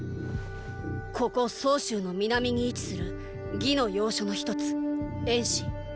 ここ曹州の南に位置する魏の要所の一つ衍氏。